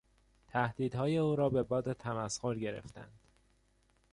تهدیدهای او را به باد تمسخر گرفتند.